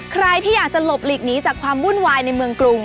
ใครที่อยากจะหลบหลีกหนีจากความวุ่นวายในเมืองกรุง